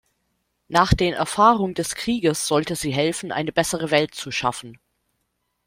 Nach den Erfahrung des Krieges sollte sie helfen, eine bessere Welt zu schaffen.